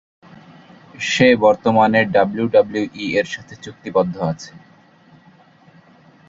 সে বর্তমানে ডাব্লিউডাব্লিউই এর সাথে চুক্তিবদ্ধ আছে।